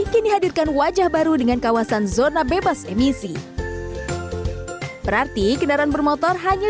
kini hadirkan wajah baru dengan kawasan zona bebas emisi berarti kendaraan bermotor hanya